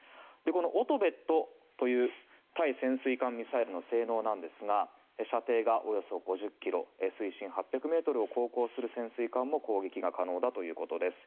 このオトベットという対潜水艦ミサイルの性能ですが射程がおよそ５０ｋｍ水深８００ｍを航行する潜水艦も攻撃が可能だということです。